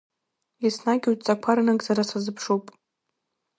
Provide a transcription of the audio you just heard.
Еснагь удҵақәа рынагӡара сазыԥшуп!